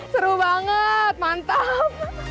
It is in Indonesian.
seru banget mantap